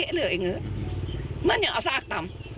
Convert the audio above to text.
ก็มันเละเลยไอ้เงินมันยังอาศักดิ์ต่ำ